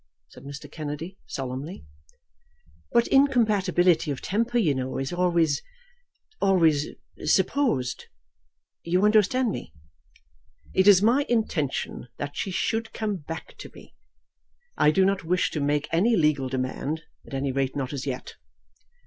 said Mr. Kennedy, solemnly. "But incompatibility of temper, you know, is always, always supposed . You understand me?" "It is my intention that she should come back to me. I do not wish to make any legal demand; at any rate, not as yet.